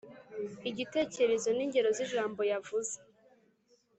igitekerezo n’ingero z’ijambo yavuze